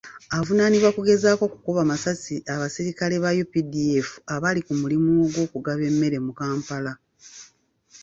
Avuunaanibwa kugezaako kukuba masasi abasirikale ba UPDF abaali ku mulimu gw'okugaba emmere mu Kampala.